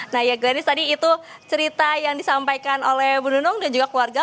nah ya granis tadi itu cerita yang disampaikan oleh bu nunung dan juga keluarga